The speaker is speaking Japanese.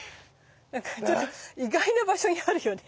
なんかちょっと意外な場所にあるよね。